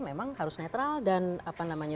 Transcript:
memang harus netral dan